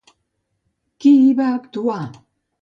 Qui hi va actuar?